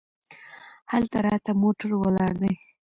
هلته راته موټر ولاړ دی.